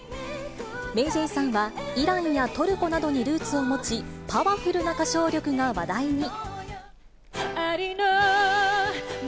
ＭａｙＪ．さんは、イランやトルコなどにルーツを持ち、パワフルな歌唱力が話題に。